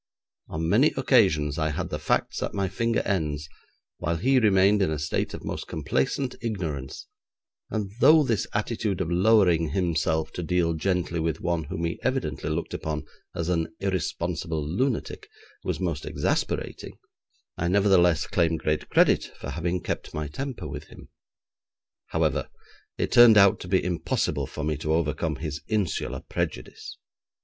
On many occasions I had the facts at my finger ends, while he remained in a state of most complacent ignorance, and though this attitude of lowering himself to deal gently with one whom he evidently looked upon as an irresponsible lunatic was most exasperating, I nevertheless claim great credit for having kept my temper with him. However, it turned out to be impossible for me to overcome his insular prejudice.